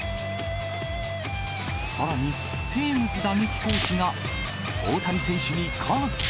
さらにテームズ打撃コーチが、大谷選手に喝。